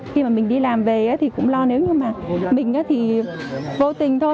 khi mà mình đi làm về thì cũng lo nếu như mà mình thì vô tình thôi